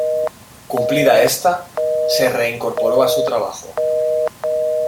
Cumplida esta, se reincorporó a su trabajo.